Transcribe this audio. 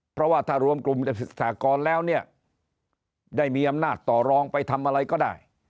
เพราะว่าถ้ารวมกลุ่มสากรแล้วเนี่ยได้มีอำนาจต่อรองไปทำอะไรก็ได้